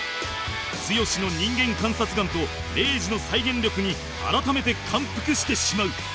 剛の人間観察眼と礼二の再現力に改めて感服してしまう